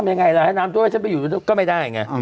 ไม่ง่ายละให้น้ำด้วยฉันไปอยู่ก็ไม่ได้